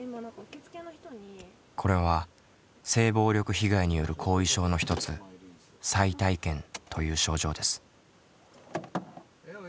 これは性暴力被害による後遺症の一つ再体験という症状です。